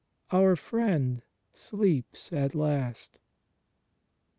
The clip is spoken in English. Our Friend sleeps at last.